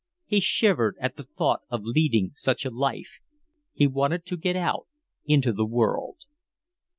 He shivered at the thought of leading such a life; he wanted to get out into the world.